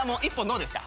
どうですか？